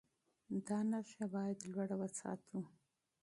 دا نښه باید لوړه وساتو.